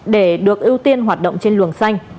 để được ưu tiên hoạt động trên luồng xanh